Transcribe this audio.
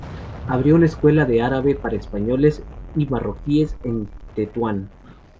Abrió una escuela de árabe para españoles y marroquíes en Tetuán.